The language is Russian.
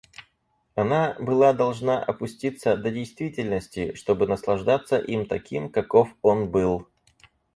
Она была должна опуститься до действительности, чтобы наслаждаться им таким, каков он был.